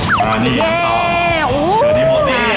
สวัสดีครับ